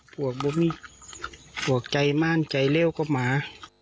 ปวกบุ๊บนี่ปวกใจม่านใจเลวกับหมา